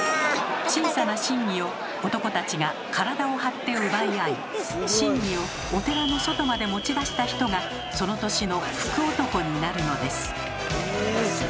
小さな宝木を男たちが体を張って奪い合い宝木をお寺の外まで持ち出した人がその年の福男になるのです。